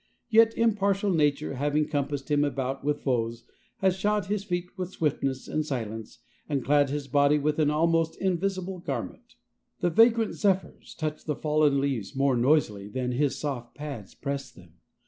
Yet impartial nature, having compassed him about with foes, has shod his feet with swiftness and silence, and clad his body with an almost invisible garment. The vagrant zephyrs touch the fallen leaves more noisily than his soft pads press them.